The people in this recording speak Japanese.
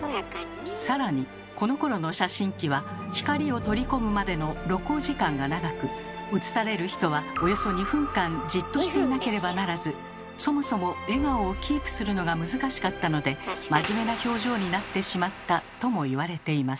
更にこのころの写真機は写される人はおよそ２分間じっとしていなければならずそもそも笑顔をキープするのが難しかったので真面目な表情になってしまったとも言われています。